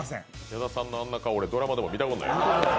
矢田さんのあんな顔、ドラマでも見たことない。